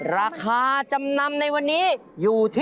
ราคาจำนำในวันนี้อยู่ที่